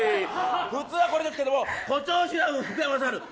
普通はこれですけども、誇張しすぎた福山雅治。